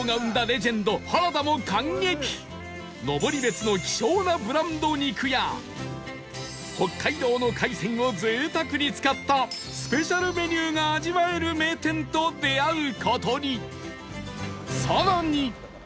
登別の希少なブランド肉や北海道の海鮮を贅沢に使ったスペシャルメニューが味わえる名店と出会う事に